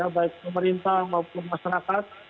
baik pemerintah maupun masyarakat